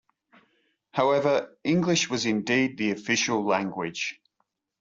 However, English was indeed the official language.